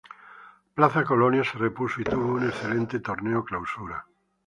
Plaza Colonia se repuso y tuvo un excelente Torneo Clausura.